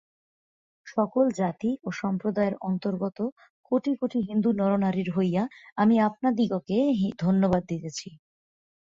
সকল জাতি ও সম্প্রদায়ের অন্তর্গত কোটি কোটি হিন্দু নরনারীর হইয়া আমি আপনাদিগকে ধন্যবাদ দিতেছি।